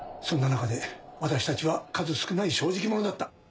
そんな中で私たちは数少ない正直者だった。